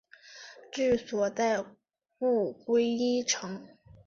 治所在故归依城。